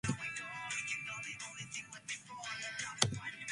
Containing many densely forested islands, Bonavista Bay is virtually landlocked.